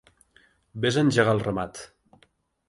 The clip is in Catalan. Ves a engegar el ramat.